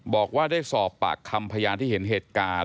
บอกว่าได้สอบปากคำพยานที่เห็นเหตุการณ์